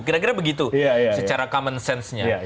kira kira begitu secara common sense nya